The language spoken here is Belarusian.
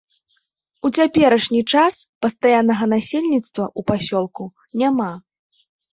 У цяперашні час пастаяннага насельніцтва ў пасёлку няма.